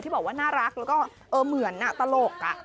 บอกว่าน่ารักแล้วก็เหมือนตลก